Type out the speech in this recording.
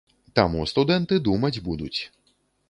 Таму студэнты думаць будуць.